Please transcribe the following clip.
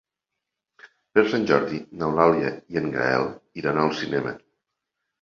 Per Sant Jordi n'Eulàlia i en Gaël iran al cinema.